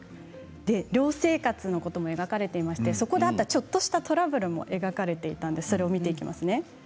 寮生活のことも描かれていましてそこであったちょっとしたトラブルも描かれていたので見ていきますね。